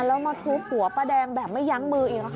แล้วมาทุบหัวป้าแดงแบบไม่ยั้งมืออีก